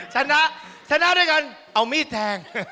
ชนะชนะด้วยกันเอามีดแทง